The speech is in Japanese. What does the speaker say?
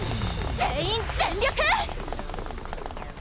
全員全力！